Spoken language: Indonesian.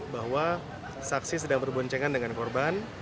bahwa saksi sedang berboncengan dengan korban